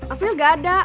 april gak ada